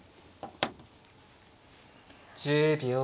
１０秒。